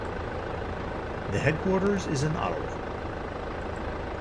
The headquarters is in Ottawa.